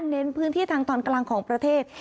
เน้นพื้นที่ทางตอนกลางของประเทศ